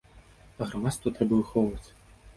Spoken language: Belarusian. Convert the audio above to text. А грамадства трэба выхоўваць.